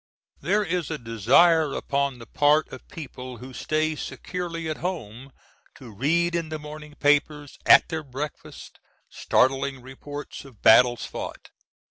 There is a desire upon the part of people who stay securely at home to read in the morning papers, at their breakfast, startling reports of battles fought.